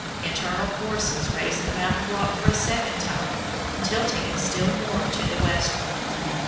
Internal forces raised the mountain block for a second time, tilting it still more to the westward.